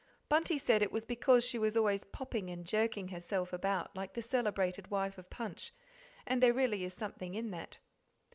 Bunty said it was because she was always popping and jerking herself about like the celebrated wife of Punch, and there really is something in that.